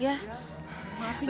iya saya juga gak tahu